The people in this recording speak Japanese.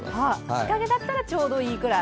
日陰だったらちょうどいいぐらい？